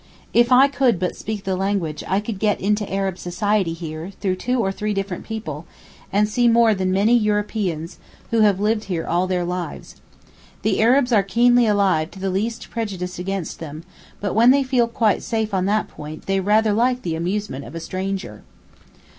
If I could but speak the language I could get into Arab society here through two or three different people, and see more than many Europeans who have lived here all their lives. The Arabs are keenly alive to the least prejudice against them, but when they feel quite safe on that point they rather like the amusement of a stranger.